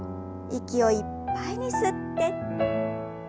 息をいっぱいに吸って。